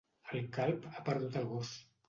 El calb ha perdut el gos.